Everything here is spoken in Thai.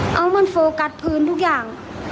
เอามันโฟกัสพื้นทุกอย่าง